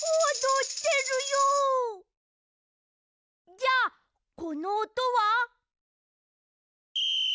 じゃあこのおとは？